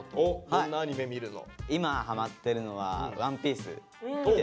どんなアニメ見るの？